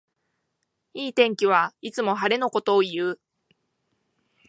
いい天気はいつも晴れのことをいう